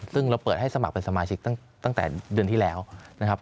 ซึ่งเราเปิดให้สมัครเป็นสมาชิกตั้งแต่เดือนที่แล้วนะครับ